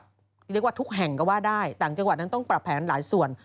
เรียกว่าทุกแห่งก็ว่าได้ต่างจังหวัดนั้นต้องปรับแผนหลายส่วน